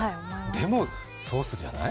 でも、ソースじゃない？